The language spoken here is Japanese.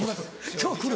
今日来る？